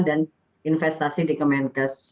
dan investasi di kemenkes